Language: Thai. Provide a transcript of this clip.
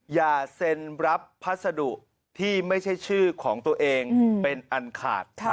อย่าเซ็นรับพัสดุที่ไม่ใช่ชื่อของตัวเองเป็นอันขาด